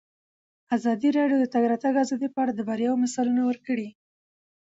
ازادي راډیو د د تګ راتګ ازادي په اړه د بریاوو مثالونه ورکړي.